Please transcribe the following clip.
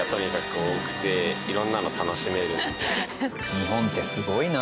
日本ってすごいな。